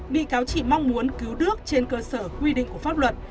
bị cáo chỉ mong muốn cứu nước trên cơ sở quy định của pháp luật